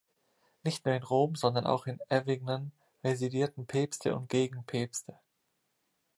Nicht nur in Rom, sondern auch in Avignon residierten Päpste und Gegenpäpste.